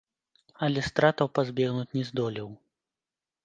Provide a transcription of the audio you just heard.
Але стратаў пазбегнуць не здолеў.